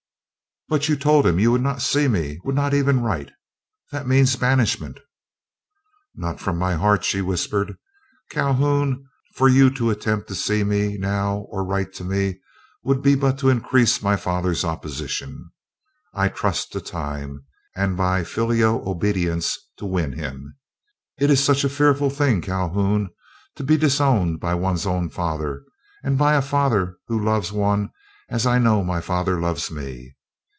"But you told him you would not see me, would not even write. That means banishment." "Not from my heart," she whispered. "Calhoun, for you to attempt to see me now, or to write to me, would be but to increase my father's opposition. I trust to time, and by filial obedience to win him. It is a fearful thing, Calhoun, to be disowned by one's own father, and by a father who loves one as I know my father loves me.